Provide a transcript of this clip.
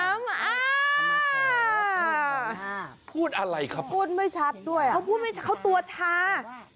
พูดอะไรครับพูดไม่ชัดด้วยเขาพูดไม่ชัดเขาตัวชา